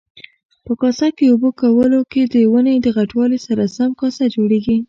په کاسه یي اوبه کولو کې د ونې د غټوالي سره سم کاسه جوړیږي.